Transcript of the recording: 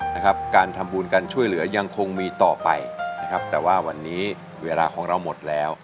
นะครับการทำบุญการช่วยเหลือยังคงมีต่อไปนะครับแต่ว่าวันนี้เวลาของเราหมดแล้ว